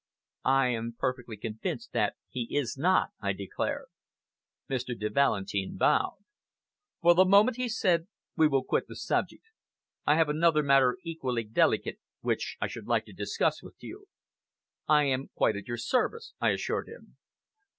"I am perfectly convinced that he is not," I declared. Mr. de Valentin bowed. "For the moment," he said, "we will quit the subject. I have another matter, equally delicate, which I should like to discuss with you." "I am quite at your service," I assured him.